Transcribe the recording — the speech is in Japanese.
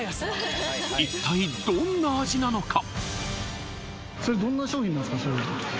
一体どんな味なのか？